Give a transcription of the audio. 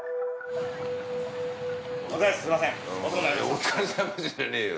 お疲れさまじゃねえよ。